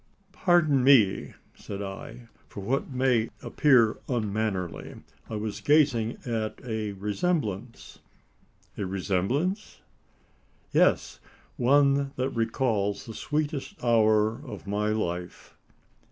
"Pardon me!" said I, "for what may appear unmannerly. I was gazing at a resemblance." "A resemblance?" "Yes! one that recalls the sweetest hour of my life."